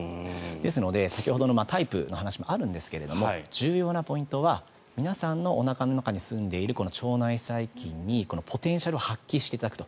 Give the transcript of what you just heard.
ですので、先ほどのタイプの話もあるんですが重要なポイントは皆さんのおなかの中にすんでいる腸内細菌にポテンシャルを発揮していただくと。